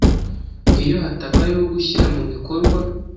Iyo hatabayeho gushyira mu bikorwa,